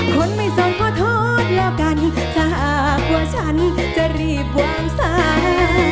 คนไม่ส่งขอโทษแล้วกันถ้าหากว่าฉันจะรีบวางสา